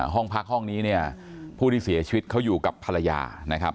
ห้องพักห้องนี้เนี่ยผู้ที่เสียชีวิตเขาอยู่กับภรรยานะครับ